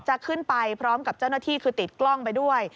จะขึ้นไปพร้อมกับเจ้าหน้าที่คือติดกล้องไปด้วย